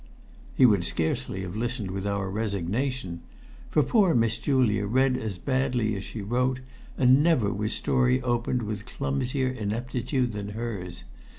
He would scarcely have listened with our resignation; for poor Miss Julia read as badly as she wrote, and never was story opened with clumsier ineptitude than hers.